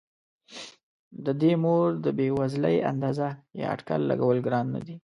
د دې مور د بې وزلۍ اندازه یا اټکل لګول ګران نه دي.